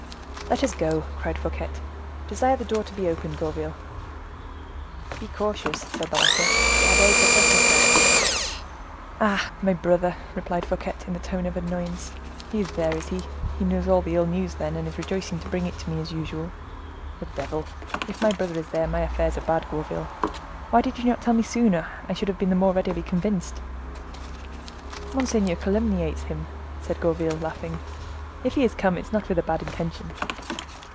"Let us go," cried Fouquet; "desire the door to be opened, Gourville." "Be cautious," said the latter, "the Abbe Fouquet is there." "Ah! my brother," replied Fouquet, in a tone of annoyance; "he is there, is he? he knows all the ill news, then, and is rejoiced to bring it to me, as usual. The devil! if my brother is there, my affairs are bad, Gourville; why did you not tell me that sooner: I should have been the more readily convinced." "Monseigneur calumniates him," said Gourville, laughing; "if he is come, it is not with a bad intention."